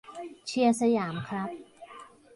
เชียร์สยาม ครับ